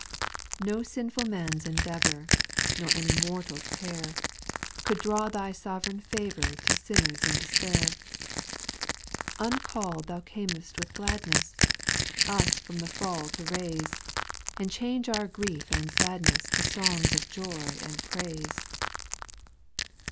4. No sinful man's endeavour. Nor any mortal's care, Could draw Thy sovereign favour To sinners in despair ; Uncall'd thou cam'st with gladness, Us from the fall to raise. And change our grief and sadness To songs of joy and praise.